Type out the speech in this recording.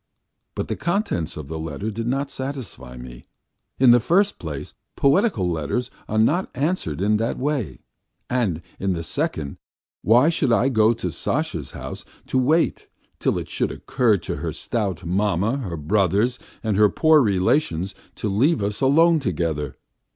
... But the contents of the letter did not satisfy me. In the first place, poetical letters are not answered in that way, and in the second, why should I go to Sasha's house to wait till it should occur to her stout mamma, her brothers, and poor relations to leave us alone together?